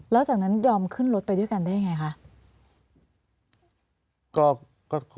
แล้วจากนั้นยอมขึ้นรถไปด้วยกันได้ยังไงคะ